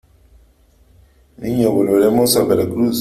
niña , volveremos a Veracruz .